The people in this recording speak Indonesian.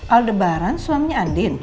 al debaran suaminya andin